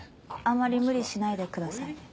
あんまり無理しないでくださいね。